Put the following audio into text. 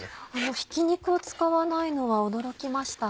ひき肉を使わないのは驚きました。